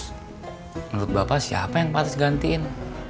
menurut bapak siapa yang patut digantiin